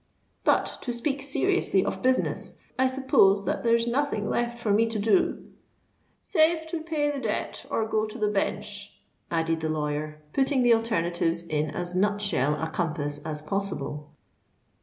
But, to speak seriously of business—I suppose that there's nothing left for me to do——" "Save to pay the debt or go to the Bench," added the lawyer, putting the alternatives in as nut shell a compass as possible.